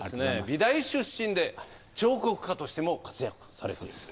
美大出身で彫刻家としても活躍されているという。